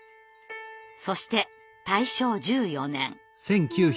そして大正１４年。